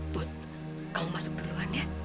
bud kamu masuk duluan ya